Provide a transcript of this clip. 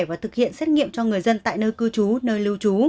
và thực hiện xét nghiệm cho người dân tại nơi cư trú nơi lưu trú